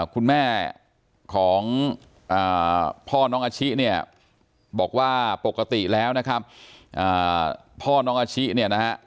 คุณแม่ของพ่อน้องอาชิเนี่ยบอกว่าปกติแล้วนะครับพ่อน้องอาชิเนี่ยนะฮะ